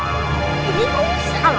nah dikit aja ya